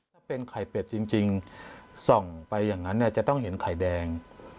ถ้าเป็นไข่เป็ดจริงส่องไปอย่างนั้นเนี่ยจะต้องเห็นไข่แดง